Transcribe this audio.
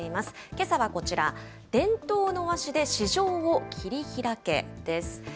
けさはこちら、伝統の和紙で市場を切り開けです。